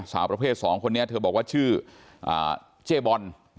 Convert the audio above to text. สาวประเภท๒คนนี้เธอบอกว่าชื่อเจ๊บอล